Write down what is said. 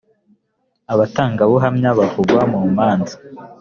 abatangabuhamya bavugwa mumanza.